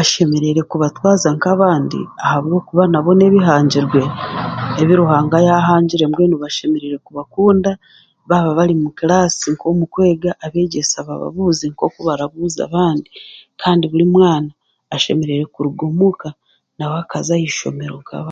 Ashemereire kubatwaza nk'abandi ahabwokuba n'abo n'ebihangirwe ebi Ruhanga yaahangire mbenu bashemereire kubakunda abari mukiraasi nk'okwega abeegyesa bababuuze nk'oku barabuuza abandi kandi burimwana ashemereire kuruga omuuka nawe akaza ah'eishomero nk'abandi